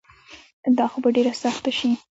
دا خو به ډیره سخته شي